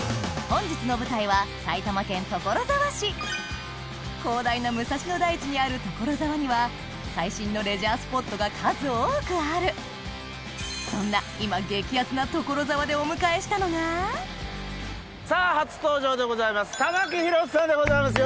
本日の舞台は広大な武蔵野台地にある所沢には最新のレジャースポットが数多くあるそんな今激アツな所沢でお迎えしたのがさぁ初登場でございます玉木宏さんでございます。